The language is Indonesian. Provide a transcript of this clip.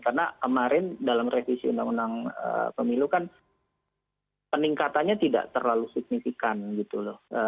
karena kemarin dalam revisi undang undang pemilu kan peningkatannya tidak terlalu signifikan gitu loh